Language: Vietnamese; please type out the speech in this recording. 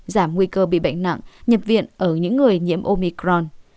giảm nguy cơ bị bệnh nặng nhập viện ở những người nhiễm omicron